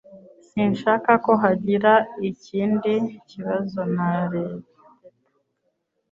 Sinshaka ko hagira ikindi kibazo na Teta